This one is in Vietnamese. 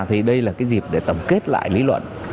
thì đây là cái dịp để tổng kết lại lý luận